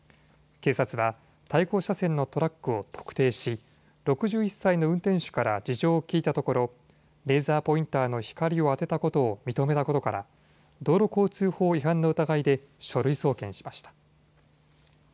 警察は対向車線のトラックを特定し、６１歳の運転手から事情を聞いたところレーザーポインターの光を当てたことを認めたことから道路交通法違反の疑いで書類送検しました。